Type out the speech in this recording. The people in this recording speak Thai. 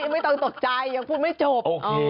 ไม่ต้องตกใจยังพูดไม่จบ